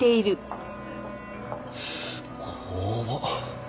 怖っ。